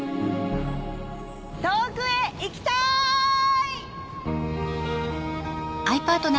遠くへ行きたい！